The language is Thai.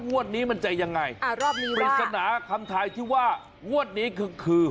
วัวดนี้มันจะยังไงปริศนาคำทายที่ว่าวัวดนี้คือ